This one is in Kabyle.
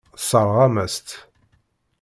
Tesseṛɣem-as-tt.